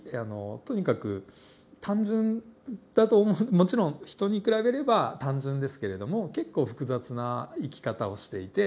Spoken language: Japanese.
とにかく単純だともちろんヒトに比べれば単純ですけれども結構複雑な生き方をしていて。